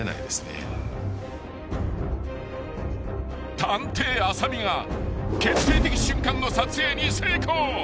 ［探偵浅見が決定的瞬間の撮影に成功］